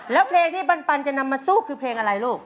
แล้วเพลงที่ปันจะนำมาสู้คือเพลงอะไรลูก